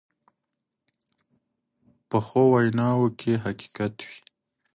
پخو ویناوو کې حقیقت وي